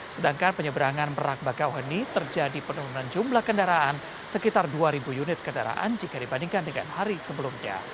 sedangkan penyeberangan merak bakauheni terjadi penurunan jumlah kendaraan sekitar dua unit kendaraan jika dibandingkan dengan hari sebelumnya